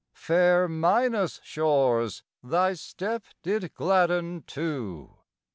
Fair Minas' shores thy step did gladden, too!